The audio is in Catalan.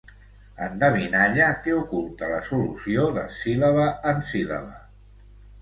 Endevinalla que oculta la solució de síl·laba en síl·laba.